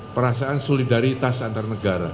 perasaan solidaritas antar negara